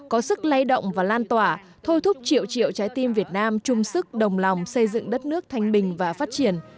có sức lay động và lan tỏa thôi thúc triệu triệu trái tim việt nam chung sức đồng lòng xây dựng đất nước thanh bình và phát triển